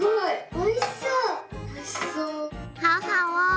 おいしそう」。